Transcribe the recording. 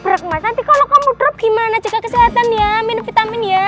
berat mas nanti kalo kamu drop gimana jaga kesehatan ya minum vitamin ya